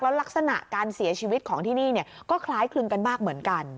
ลักษณะการเสียชีวิตของที่นี่ก็คล้ายคลึงกันมากเหมือนกัน